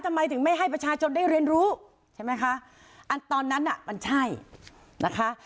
ทำไมถึงไม่ให้ประชาชนได้เรียนรู้ใช่ไหมคะอันตอนนั้นน่ะมันใช่นะคะ